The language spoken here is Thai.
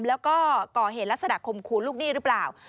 แล้วก็ก่อเหตุลักษณะคมคูณลูกหนี้หรือเปล่า